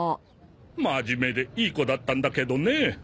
まじめでいい子だったんだけどねえ。